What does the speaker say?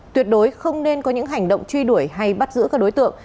tuyệt đối không nên có những hành động truy đuổi hay bắt giữ các đối tượng